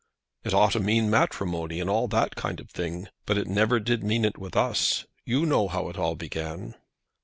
"It ought to mean matrimony and all that kind of thing, but it never did mean it with us. You know how it all began."